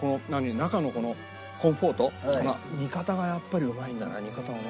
中のこのコンポートが煮方がやっぱりうまいんだね